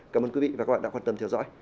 cảm ơn quý vị và các bạn đã quan tâm theo dõi